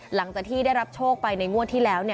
หลังจากที่ได้รับโชคไปในงวดที่แล้ว